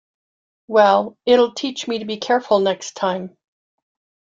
Well, it will teach me to be careful next time.